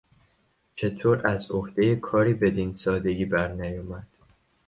چطور از عهدهی کاری بدین سادگی برنیامد؟